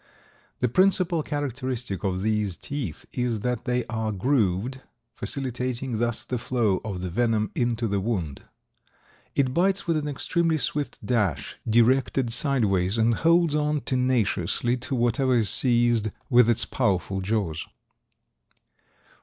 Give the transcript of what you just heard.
The principal characteristic of these teeth is that they are grooved, facilitating thus the flow of the venom into the wound. It bites with an extremely swift dash, directed sideways, and holds on tenaciously to whatever is seized with its powerful jaws.